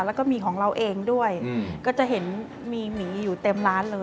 แล้วก็มีของเราเองด้วยก็จะเห็นมีหมีอยู่เต็มร้านเลย